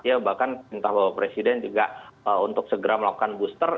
ya bahkan minta bapak presiden juga untuk segera melakukan booster